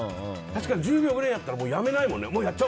確かに、１０秒ぐらいやったらやめないもんね。